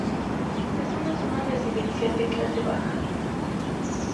Es una zona residencial de clase baja.